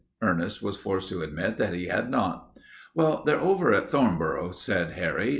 Ernest was forced to admit that he had not. "Well, they're over at Thornboro," said Harry.